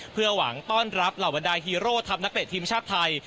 เพื่อหวังต้อนรับเหล่าบรรดาฮีโร่ทัพนักเตะทีมชาติไทย